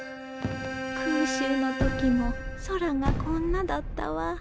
空襲の時も空がこんなだったわ。